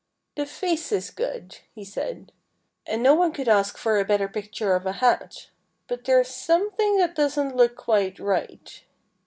"The face is good," he said. "And no one could ask for a better picture of a hat. But there's something that doesn't look quite right."